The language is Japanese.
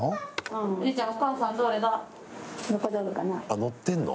あっ、載ってんの？